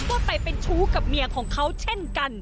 ก็ไปเป็นชู้กับเมียของเขาเช่นกัน